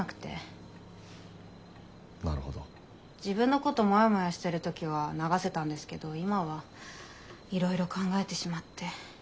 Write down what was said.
自分のことモヤモヤしてる時は流せたんですけど今はいろいろ考えてしまって。